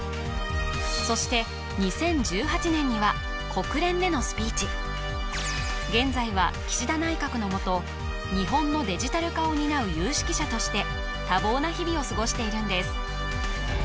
そして２０１８年には現在は岸田内閣のもと日本のデジタル化を担う有識者として多忙な日々をすごしているんです